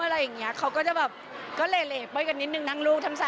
ที่บ้านก็รู้